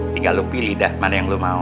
tinggal lu pilih dah mana yang lu mau